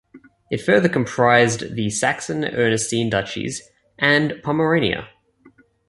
It further comprised the Saxon Ernestine duchies and Pomerania.